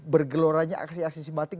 bergelorannya aksi aksi simpatic